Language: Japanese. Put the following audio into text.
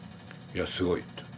いやすごいと。